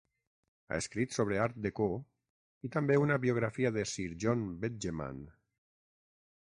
Ha escrit sobre art déco, i també una biografia de Sir John Betjeman.